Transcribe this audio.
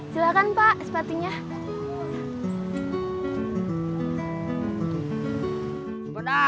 silakan pak sepatunya